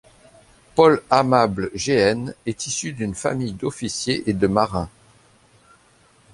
Paul-Amable Jéhenne est issu d'une famille d'officiers et de marin.